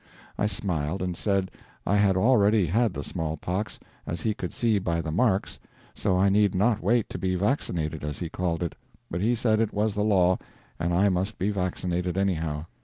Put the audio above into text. I smiled and said I had already had the small pox, as he could see by the marks, and so I need not wait to be "vaccinated," as he called it. But he said it was the law, and I must be vaccinated anyhow.